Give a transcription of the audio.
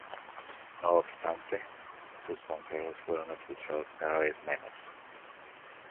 No obstante, sus consejos fueron escuchados cada vez menos.